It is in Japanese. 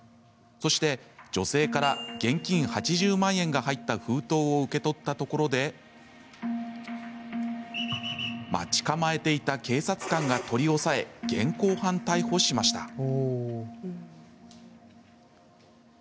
そして、女性から現金８０万円が入った封筒を受け取ったところで待ち構えていた警察官が取り押さえ現行犯逮捕しました。